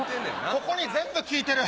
ここに全部効いてる！